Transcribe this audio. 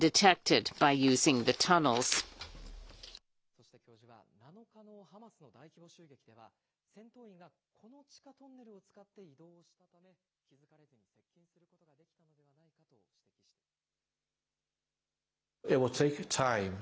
そして教授は、７日のハマスの大規模襲撃では、戦闘員がこの地下トンネルを使って移動したため、気付かれずに接近することができたと指摘しています。